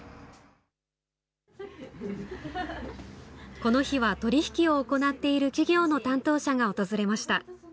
この日は取り引きを行っている企業の担当者が訪れました。